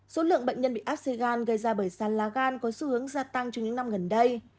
số lượng bệnh nhân bị áp xe gan gây ra bởi sán lá gan có xu hướng gia tăng trong những năm gần đây